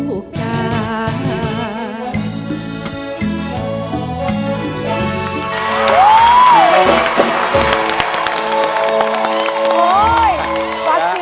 โอ้ยสักเสียว